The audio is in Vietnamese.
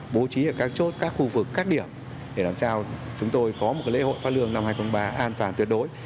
bố trí ở các chốt các khu vực các điểm để làm sao chúng tôi có một lễ hội phát lương năm hai nghìn ba an toàn tuyệt đối